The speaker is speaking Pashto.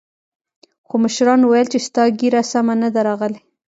خو مشرانو ويل چې ستا ږيره سمه نه ده راغلې.